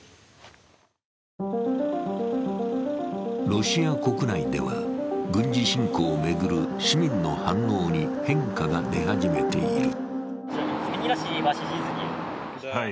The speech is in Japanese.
ロシア国内では、軍事侵攻を巡る市民の反応に変化が出始めている。